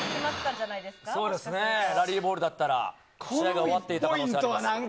ラリーボールだったら試合が終わっていた可能性があります。